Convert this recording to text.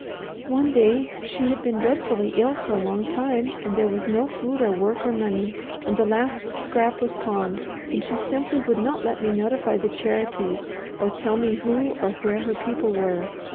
"One day she had been dreadfully ill for a long time and there was no food or work or money, and the last scrap was pawned, and she simply would not let me notify the charities or tell me who or where her people were.